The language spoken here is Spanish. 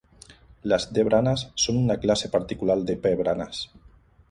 Las d-branas son una clase particular de p-branas.